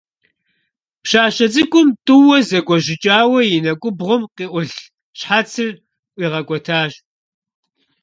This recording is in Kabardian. Пщащэ цӀыкӀум тӀууэ зэгуэжьыкӀауэ и нэкӀубгъум къыӀулъ щхьэцыр ӀуигъэкӀуэтащ.